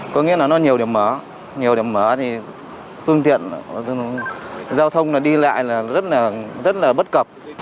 có nghĩa là nó nhiều điểm mở nhiều điểm mở thì phương tiện giao thông đi lại là rất là bất cập